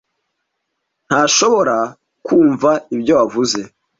Ntashobora kumva ibyo wavuze.